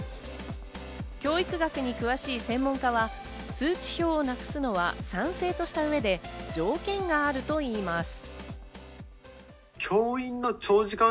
教育学に詳しい専門家は通知表をなくすのは賛成とした上で、条件があるといいます。